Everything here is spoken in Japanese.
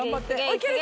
いける！